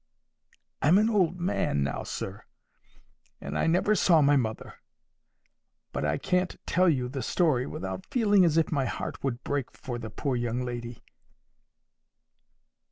'—I'm an old man now, sir, and I never saw my mother; but I can't tell you the story without feeling as if my heart would break for the poor young lady.